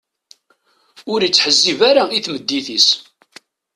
Ur ittḥezzib ara i tmeddit-is.